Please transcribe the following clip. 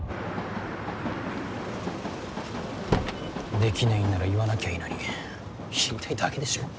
できないんなら言わなきゃいいのに言いたいだけでしょ。